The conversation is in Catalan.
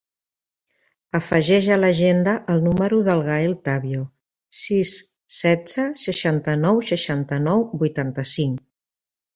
Afegeix a l'agenda el número del Gael Tavio: sis, setze, seixanta-nou, setanta-nou, vuitanta-cinc.